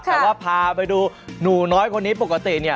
แต่ว่าพาไปดูหนูน้อยคนนี้ปกติเนี่ย